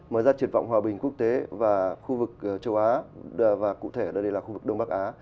mở ra triển vọng hòa bình quốc tế và khu vực châu á và cụ thể đây là khu vực đông bắc á